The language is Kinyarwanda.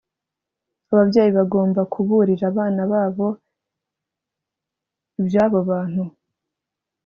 ababyeyi bagomba kuburira abana babo iby abo bantu